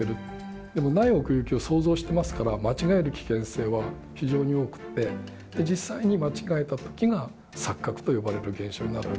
でもない奥行きを想像してますから間違える危険性は非常に多くって実際に間違えた時が錯覚と呼ばれる現象になるわけです。